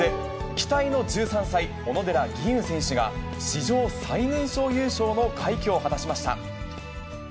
期待の１３歳、小野寺吟雲選手が、史上最年少優勝の快挙を果たしました。